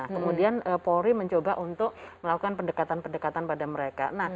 kemudian polri mencoba untuk melakukan pendekatan pendekatan pada mereka